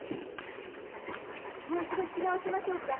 もう一度弾き直しましょうか。